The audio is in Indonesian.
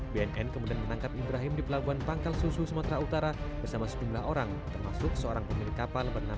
bnn kemudian menangkap ibrahim di pelabuhan pangkal susu sumatera utara bersama sejumlah orang termasuk seorang pemilik kapal bernama